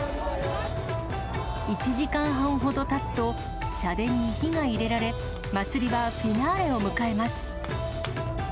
１時間半ほどたつと、社殿に火が入れられ、祭りはフィナーレを迎えます。